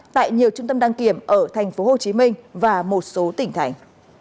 tại nhiều trung tâm đăng kiểm ở thành phố hồ chí minh và một số tỉnh thành